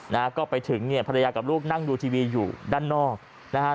นะฮะก็ไปถึงเนี่ยภรรยากับลูกนั่งดูทีวีอยู่ด้านนอกนะฮะ